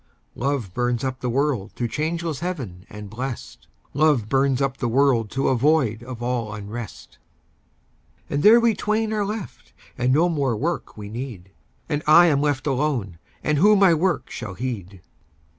Love burns up the world to changeless heaven and blest, "Love burns up the world to a void of all unrest." And there we twain are left, and no more work we need: "And I am left alone, and who my work shall heed?"